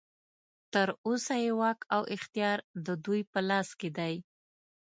تر اوسه یې واک او اختیار ددوی په لاس کې دی.